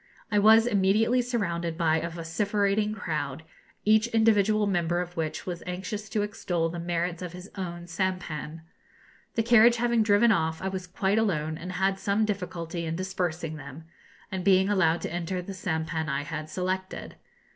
I was immediately surrounded by a vociferating crowd, each individual member of which was anxious to extol the merits of his own sampan. The carriage having driven off, I was quite alone, and had some difficulty in dispersing them, and being allowed to enter the sampan I had selected.